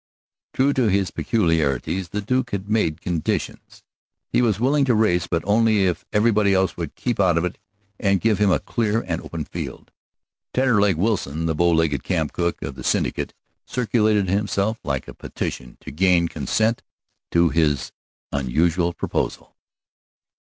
True to his peculiarities, the Duke had made conditions. He was willing to race, but only if everybody else would keep out of it and give him a clear and open field. Taterleg Wilson, the bow legged camp cook of the Syndicate, circulated himself like a petition to gain consent to this unusual proposal.